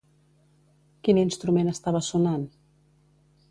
Quin instrument estava sonant?